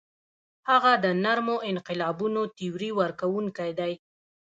هغه د نرمو انقلابونو تیوري ورکوونکی دی.